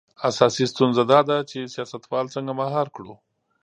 اساسي ستونزه دا ده چې سیاستوال څنګه مهار کړو.